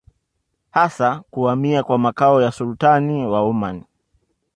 Hasa kuhamia kwa makao ya Sultani wa Omani